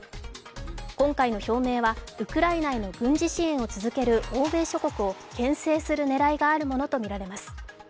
今回の表明は、ウクライナへの軍事支援を続ける欧米諸国をけん制する狙いがあるものとみられます。